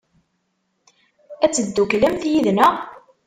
Ad tedduklemt yid-neɣ?